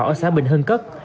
ở xã bình hưng cất